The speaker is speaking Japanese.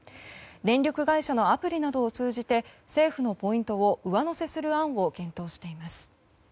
電力会社のアプリなどを通じて政府のポイントを上乗せする案を検討しています。